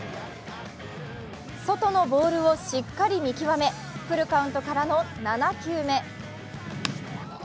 外のボールをしっかり見極めフルカウントからの７球目。